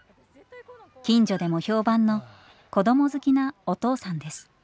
近所でも評判の子ども好きなお父さんです。